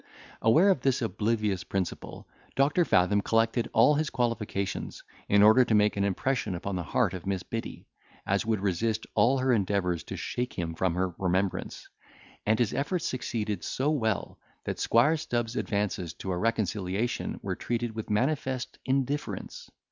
Aware of this oblivious principle, Doctor Fathom collected all his qualifications, in order to make such an impression upon the heart of Miss Biddy, as would resist all her endeavours to shake him from her remembrance; and his efforts succeeded so well, that Squire Stub's advances to a reconciliation were treated with manifest indifference.